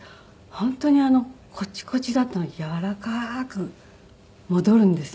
本当にコチコチだったのが柔らかく戻るんですよね。